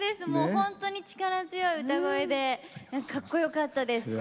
本当に力強い歌声でかっこよかったです。